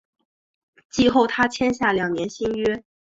季后他签下两年新约。